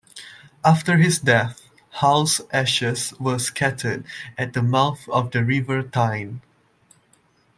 After his death, Hull's ashes were scattered at the mouth of the River Tyne.